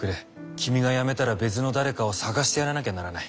君がやめたら別の誰かを探してやらなきゃならない。